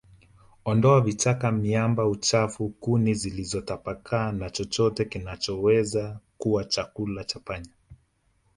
Ondoa vichaka miamba uchafu kuni zilizotapakaa na chochote kinachoweza kuwa chakula cha panya